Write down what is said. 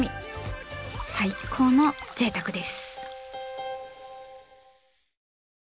最高のぜいたくです。